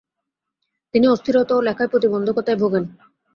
তিনি অস্থিরতা ও লেখার প্রতিবন্ধকতায় ভোগেন ।